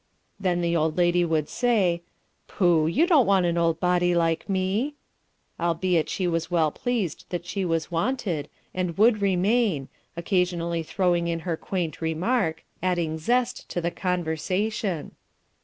Then the old lady would say, "Pooh! you don't want an old body like me," albeit she was well pleased that she was wanted, and would remain, occasionally throwing in her quaint remark, adding zest to the conversation.